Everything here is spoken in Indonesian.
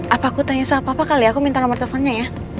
apa aku tanya sama papa kali ya aku minta nomor teleponnya ya